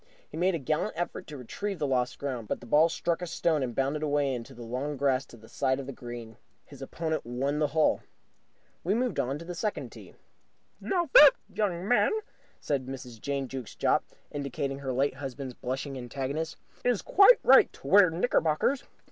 He made a gallant effort to retrieve the lost ground, but the ball struck a stone and bounded away into the long grass to the side of the green. His opponent won the hole. We moved to the second tee. "Now, that young man," said Mrs. Jane Jukes Jopp, indicating her late husband's blushing antagonist, "is quite right to wear knickerbockers.